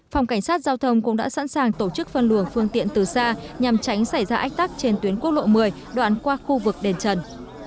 phòng cảnh sát giao thông cũng đã sẵn sàng tổ chức phân luồng phương tiện từ xa nhằm tránh xảy ra ách tắc trên tuyến quốc lộ một mươi đoạn qua khu vực đền trần